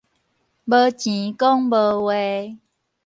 無錢講無話